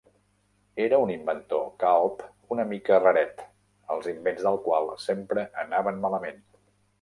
Era un inventor calb una mica raret, els invents del qual sempre anaven malament.